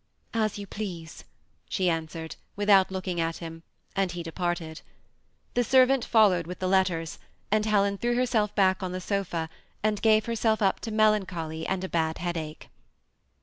'*" As you please," she answered, without looking at him ; and he departed. The servant followed with the letters, and Helen threw herself back on the sofa, and gave herself up to melancholy and a bad headache.